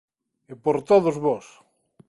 E por todos vós.